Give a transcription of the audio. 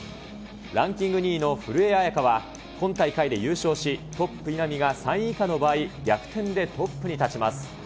ランキング２位の古江彩佳は今大会で優勝し、トップ、稲見が３位以下の場合、逆転でトップに立ちます。